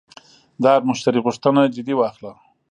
د هر مشتری غوښتنه جدي واخله.